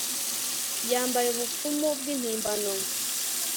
Yambaye ubupfumu bwimpimbano